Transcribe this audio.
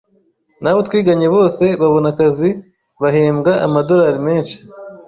n’abo twiganye bose babona akazi bahembwa ama dollars menshi,